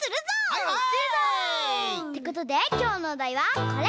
はいはい！ってことできょうのおだいはこれ！